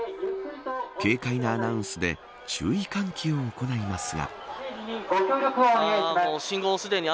軽快なアナウンスで注意喚起を行いますが。